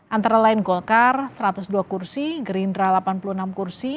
antara lain golkar satu ratus dua kursi gerindra delapan puluh enam kursi